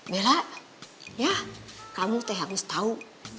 bella ya kamu tuh harus tau